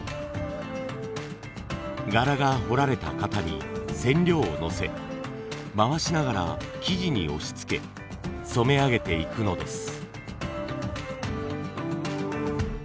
柄が彫られた型に染料をのせ回しながら生地に押しつけ染め上げていくのです。